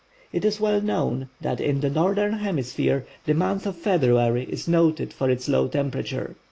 It is well known that in the Northern Hemisphere, the month of February is noted for its low temperature.